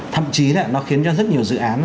thậm chí là nó khiến cho rất nhiều dự án